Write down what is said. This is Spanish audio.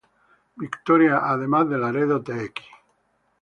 Victoria además de Laredo Tx.